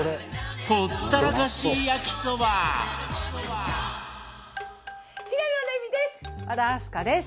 ほったらかし焼きそば平野レミです！